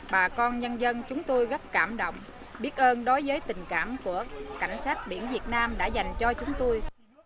bà con nhân dân chúng tôi rất cảm động biết ơn đối với tình cảm của cảnh sát biển việt nam đã dành cho chúng tôi